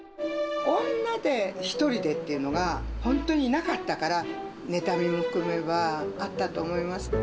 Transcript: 女で１人でっていうのが、本当にいなかったから、ねたみも含めば、あったと思います。